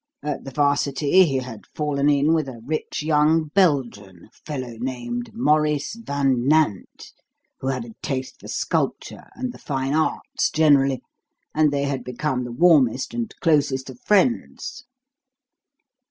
At the 'Varsity he had fallen in with a rich young Belgian fellow named Maurice Van Nant who had a taste for sculpture and the fine arts generally, and they had become the warmest and closest of friends."